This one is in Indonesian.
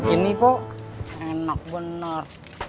ini pok enak bener